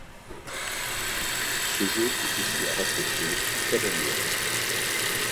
Ce jeu est aussi à rapprocher du Cavagnole.